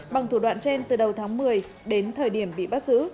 bằng thủ đoạn trên từ đầu tháng một mươi đến thời điểm bị bắt giữ